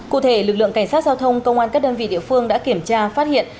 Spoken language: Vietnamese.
cụ thể lực lượng cảnh sát giao thông công an các đơn vị địa phương đã kiểm tra phát hiện